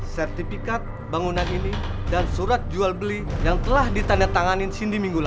sertifikat bangunan ini dan surat jual beli yang telah ditandatanganin cindy minggu lalu